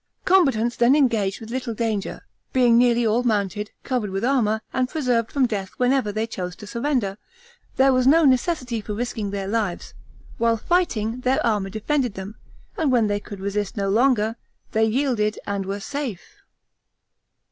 Combatants then engaged with little danger; being nearly all mounted, covered with armor, and preserved from death whenever they chose to surrender, there was no necessity for risking their lives; while fighting, their armor defended them, and when they could resist no longer, they yielded and were safe.